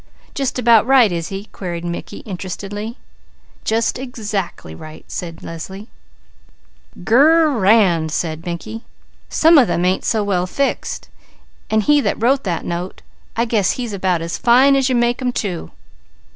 "Just about right is he?" queried Mickey, interestedly. "Just exactly right!" said Leslie. "Gur ur and!" said Mickey. "Some of them ain't so well fixed! And he that wrote the note, I guess he's about as fine as you make them, too!"